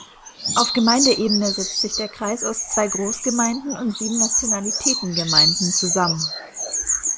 Auf Gemeindeebene setzt sich der Kreis aus zwei Großgemeinden und sieben Nationalitätengemeinden zusammen.